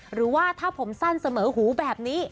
หรือว่าถ้าผมสั้นเสมอหูแบบนี้